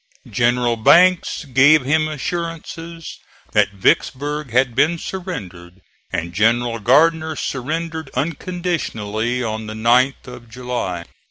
General Banks gave him assurances that Vicksburg had been surrendered, and General Gardner surrendered unconditionally on the 9th of July.